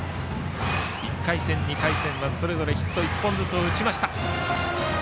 １回戦、２回戦はそれぞれヒット１本ずつ打ちました。